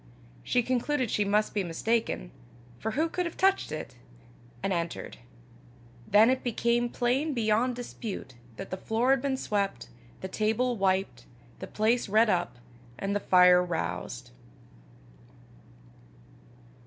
She concluded she must be mistaken, for who could have touched it? and entered. Then it became plain beyond dispute that the floor had been swept, the table wiped, the place redd up, and the fire roused.